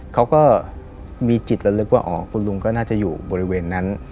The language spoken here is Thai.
เขาก็มีจิตละลึกว่าอ๋อคุณลุงก็น่าจะอยู่บริเวณนั้น